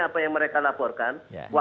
apa yang mereka laporkan